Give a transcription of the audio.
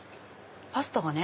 パスタがね。